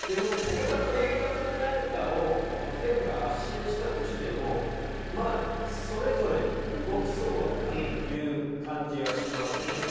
ここから明確な何かを政府が発信したとしてもそれぞれ、動きそうだなという感じがしますね。